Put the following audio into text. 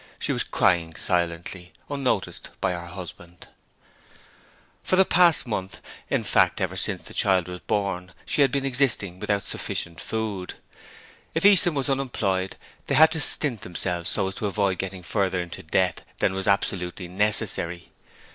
She was crying silently, unnoticed by her husband. For months past in fact ever since the child was born she had been existing without sufficient food. If Easton was unemployed they had to stint themselves so as to avoid getting further into debt than was absolutely necessary.